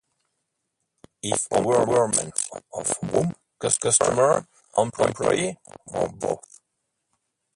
If empowerment, of whom: customers, employees, or both?